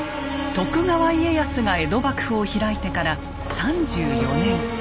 徳川家康が江戸幕府を開いてから３４年。